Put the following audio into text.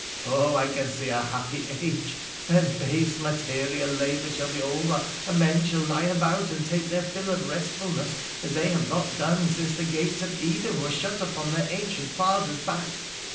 Oh! I can see a happy age, when base material labour shall be over, and men shall lie about and take their fill of restfulness as they have not done since the gates of Eden were shut upon their ancient father's back